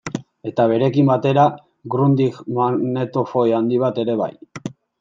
Eta berekin batera Grundig magnetofoi handi bat ere bai.